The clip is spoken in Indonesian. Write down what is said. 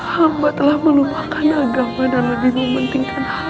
hamba telah melupakan agama dan lebih mementingkan